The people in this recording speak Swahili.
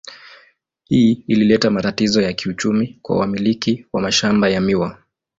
Hii ilileta matatizo ya kiuchumi kwa wamiliki wa mashamba ya miwa.